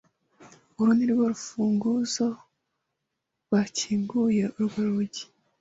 Uru nirwo rufunguzo rwakinguye urwo rugi.